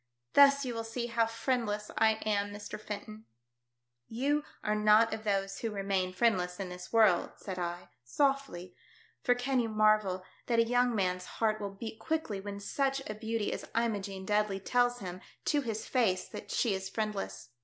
Thus you will see how friendless I am, Mr. Fenton." " You are not of those who remain friend l68 THE DEATH SHn\ less in this world," said I, softly, for can you marvel that a young man's heart will beat quickly when such a beauty as Imogene Dudley tells him to his face that she is friendless.